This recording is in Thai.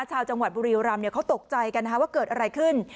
ชาวจังหวัดบุรีรำเขาตกใจกันว่าเกิดอะไรขึ้น